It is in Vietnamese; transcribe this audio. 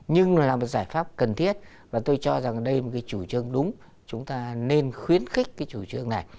nhưng là một giải pháp cần thiết và tôi cho rằng đây là một cái chủ trương đúng chúng ta nên khuyến khích cái chủ trương này